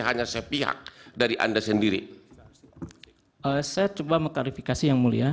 hanya sepihak dari anda sendiri saya coba mengklarifikasi yang mulia